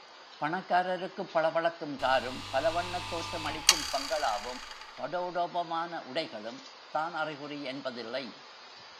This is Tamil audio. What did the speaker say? பணக்காரருக்குப் பளபளக்கும் காரும், பல வண்ணத் தோற்றம் அளிக்கும் பங்களாவும், படோடோபமான உடைகளும் தான் அறிகுறி என்பதில்லை.